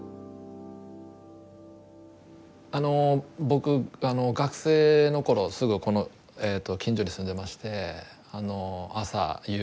僕学生の頃すぐこの近所に住んでまして朝夕